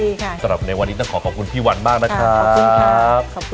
ยินดีค่ะสำหรับในวันนี้ทำขอขอบคุณพี่วันมากนะครับขอบคุณครับ